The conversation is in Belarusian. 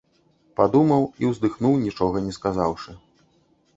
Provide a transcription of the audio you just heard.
Падумаў і ўздыхнуў, нічога не сказаўшы.